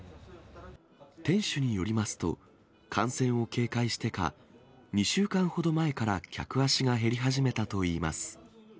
店主によりますと、感染を警戒してか、２週間ほど前から客足が減り始めたといいます。